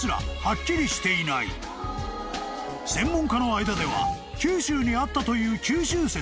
［専門家の間では九州にあったという］